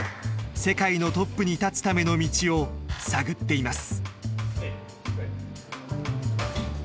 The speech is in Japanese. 世界のトップに立つための道を探っています。